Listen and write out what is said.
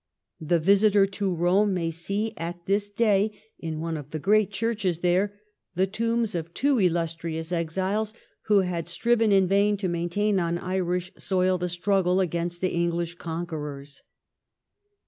The visitor to Eome may see at this day, in one of the great churches there, the tombs of two illustrious exiles who had striven in vain to maintain on Irish soil the struggle against the English conquerors.